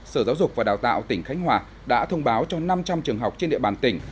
sở giáo dục và đào tạo tỉnh khánh hòa đã thông báo cho năm trăm linh trường học trên địa bàn tỉnh